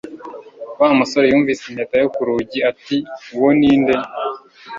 Wa musore yumvise impeta yo ku rugi, ati: "Uwo ni nde?"